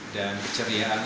dan kecerian ibu ani